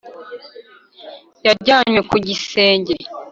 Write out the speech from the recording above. yajyanywe ku gisenge,